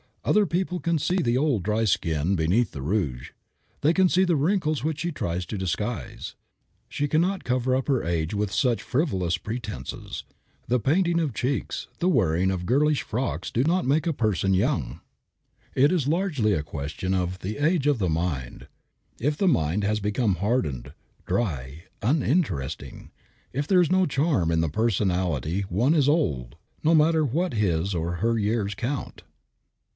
Other people can see the old, dry skin beneath the rouge. They can see the wrinkles which she tries to disguise. She cannot cover up her age with such frivolous pretenses. The painting of cheeks and wearing of girlish frocks do not make a person young. It is largely a question of the age of the mind. If the mind has become hardened, dry, uninteresting, if there is no charm in the personality one is old, no matter what his or her years count.